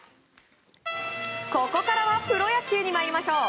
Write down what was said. ここからはプロ野球に参りましょう。